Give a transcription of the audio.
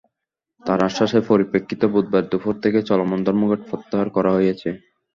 তাঁর আশ্বাসের পরিপ্রেক্ষিতে বুধবার দুপুর থেকে চলমান ধর্মঘট প্রত্যাহার করা হয়েছে।